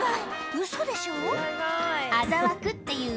ウソでしょ？